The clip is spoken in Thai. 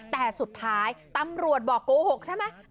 แต่สุดท้ายตำรวจบอกโกหกใช่ไหม